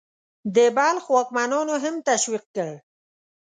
د بلخ واکمنانو هم تشویق کړ.